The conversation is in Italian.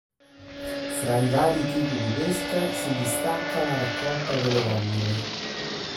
Fra i vari tipi di pesca si distacca la raccolta delle vongole.